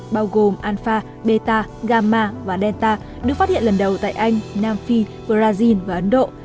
bao gồm alpha beta gama và delta được phát hiện lần đầu tại anh nam phi brazil và ấn độ